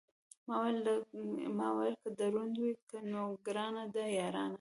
ما ویل که دروند وي، نو ګرانه ده یارانه.